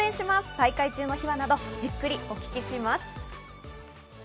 大会中の秘話などじっくりお聞きします。